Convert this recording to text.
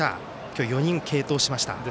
今日、４人継投しました。